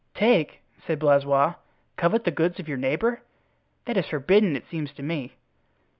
"Take!" said Blaisois; "covet the goods of your neighbor? That is forbidden, it seems to me."